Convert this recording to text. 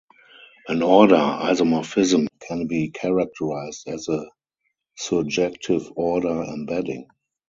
An order isomorphism can be characterized as a surjective order embedding.